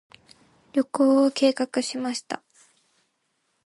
旅行を計画しました。